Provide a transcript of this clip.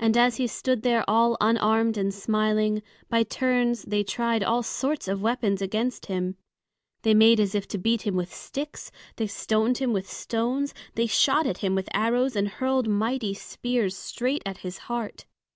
And as he stood there all unarmed and smiling, by turns they tried all sorts of weapons against him; they made as if to beat him with sticks, they stoned him with stones, they shot at him with arrows and hurled mighty spears straight at his heart.